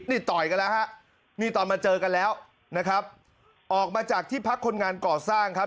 นี่ต่อยกันแล้วฮะนี่ตอนมาเจอกันแล้วนะครับออกมาจากที่พักคนงานก่อสร้างครับ